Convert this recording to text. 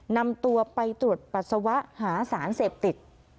นำตัวไปตรวจปัสสาวะหาสารเสพติด